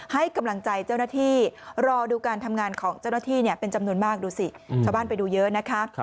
ให้กำลังใจเจ้าหน้าที่รอดูการทำงานของเจ้าหน้าที่เป็นจำนวนมากดูสิชาวบ้านไปดูเยอะนะคะ